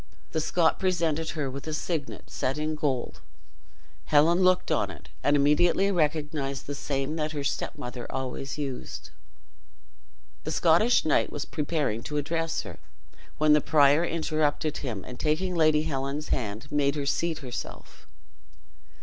The Scot presented her with a signet, set in gold. Helen looked on it, and immediately recognized the same that her stepmother always used. The Scottish knight was preparing to address her, when the prior interrupted him, and taking Lady Helen's hand, made her seat herself.